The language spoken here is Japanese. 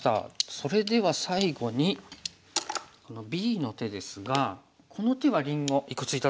それでは最後にこのＢの手ですがこの手はりんごいくつ頂けますか？